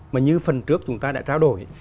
mà như phần trước chúng ta đã trao đổi